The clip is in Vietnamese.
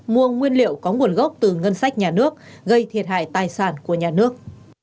mua nguyên liệu có nguồn gốc từ ngân sách nhà nước gây thiệt hại tài sản của nhà nước